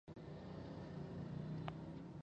کورنیو نساجانو له قانون څخه تېښته بلله.